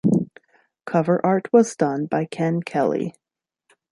Cover art was done by Ken Kelly.